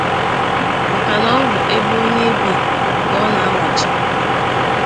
maka na ọ bụ ebe onye bi ka ọ na-awachi.